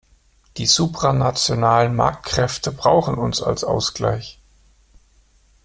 Die supranationalen Marktkräfte brauchen uns als Ausgleich.